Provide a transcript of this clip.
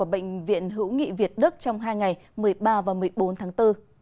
bệnh viện hữu nghị việt đức trong hai ngày một mươi ba và một mươi bốn tháng bốn